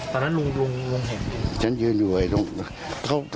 ตอนนั้นลุงเห็นฉันยืนอยู่ไว้ตรงนี้